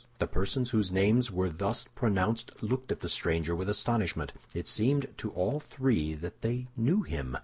The persons whose names were thus pronounced looked at the stranger with astonishment. It seemed to all three that they knew him.